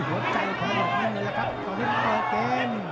หัวใจขึ้นหนึ่งเลยแหละครับก่อนที่จะเตอร์เกณฑ์